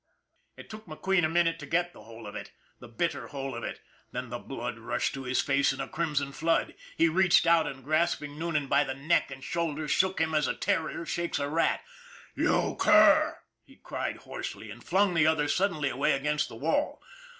" It took McQueen a minute to get the whole of it the bitter whole of it. Then the blood rushed to his face in a crimson flood. He reached out and grasp ing Noonan by neck and shoulders shook him as a terrier shakes a rat. " You cur !" he cried hoarsely, and flung the other suddenly away against the wall.